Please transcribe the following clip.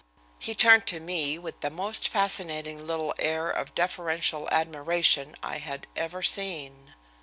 He turned to me with the most fascinating little air of deferential admiration I had ever seen.